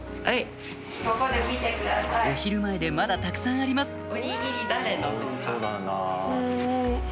お昼前でまだたくさんあります